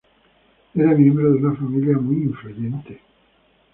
Era miembro de una familia muy influyente.